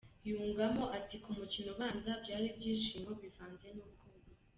Yungamo ati ’’Ku mukino ubanza byari ibyishimo bivanze n’ubwoba.